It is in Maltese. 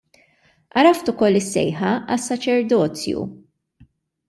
Għaraft ukoll is-sejħa għas-saċerdozju.